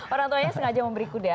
orang tuanya sengaja memberi kuda